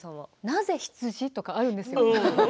なぜ羊？とかあるんですよ。